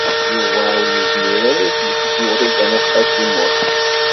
Yuba ur yezmir ara ad yegzu Wrida n At Qasi Muḥ.